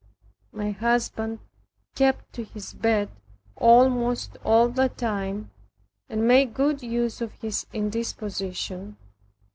My husband kept to his bed almost all that time, and made good use of his indisposition.